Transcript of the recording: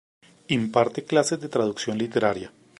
Imparte clases de traducción literaria.